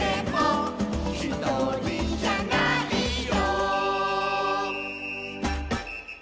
「ひとりじゃないよ」